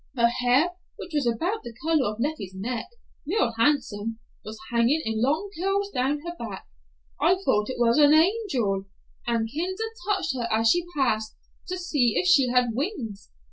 Her hair, which was about the color of Leffie's neck—real handsome—was hanging in long curls down her back. I thought it was an angel, and kinder touched her as she passed, to see if she had wings.